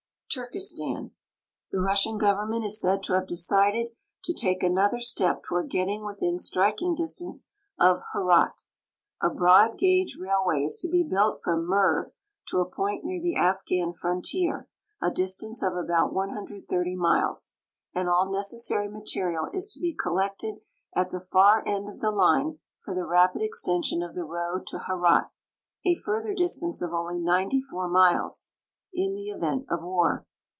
Turkestan. The Russian government is said to have decided to take another step toward getting within striking distance of Herat. A broad gauge railway is to be built from Merv to a point near the Afghan fron tier, a distance of about 130 miles, and all necessary material is to be collected at the far end of the line for the rapid extension of the road to Herat, a further distance of only 94 miles, in the event of war.